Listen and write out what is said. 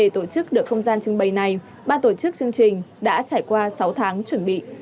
trong trưng bày này ba tổ chức chương trình đã trải qua sáu tháng chuẩn bị